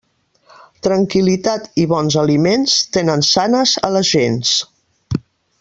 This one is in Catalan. Tranquil·litat i bons aliments tenen sanes a les gents.